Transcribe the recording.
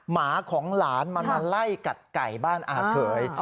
หมาของหลานมันมาไล่กัดไก่บ้านอาเขย